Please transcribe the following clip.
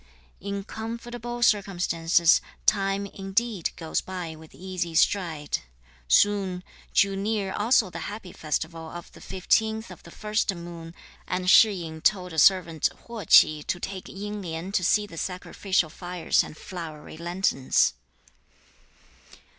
In comfortable circumstances, time indeed goes by with easy stride. Soon drew near also the happy festival of the 15th of the 1st moon, and Shih yin told a servant Huo Ch'i to take Ying Lien to see the sacrificial fires and flowery lanterns.